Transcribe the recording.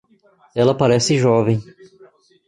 Ela parece jovem.